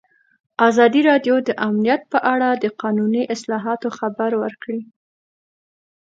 ازادي راډیو د امنیت په اړه د قانوني اصلاحاتو خبر ورکړی.